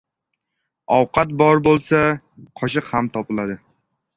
• Ovqat bor bo‘lsa, qoshiq ham topiladi.